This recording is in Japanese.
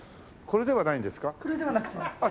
これではなくてですね。